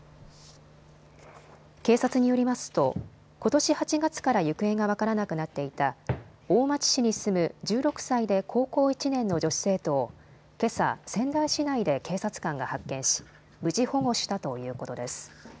警察によりますとことし８月から行方が分からなくなっていた大町市に住む１６歳で高校１年の女子生徒をけさ仙台市内で警察官が発見し無事、保護したということです。